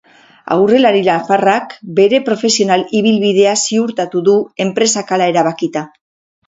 Aurrelari nafarrak bere profesional ibilbidea ziurtatu du, enpresak hala erabakita.